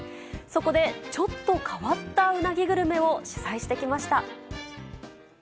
そこでちょっと変わったうなぎグルメを取材してきました。